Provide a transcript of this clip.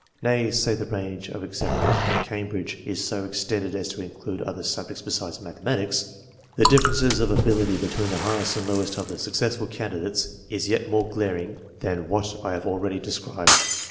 Nay, since the range of examination at Cambridge is so ex tended as to include other subjects besides mathematics, the differences of ability between the highest and lowest of the successful candidates is yet more glaring than what I have already described.